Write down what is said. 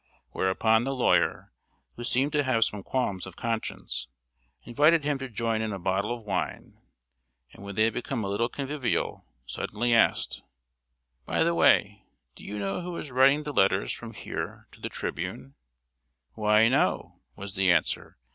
Whereupon the lawyer, who seemed to have some qualms of conscience, invited him to join in a bottle of wine, and when they had become a little convivial, suddenly asked: "By the way, do you know who is writing the letters from here to The Tribune?" "Why, no," was the answer.